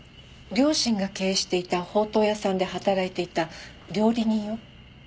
両親が経営していたほうとう屋さんで働いていた料理人よ。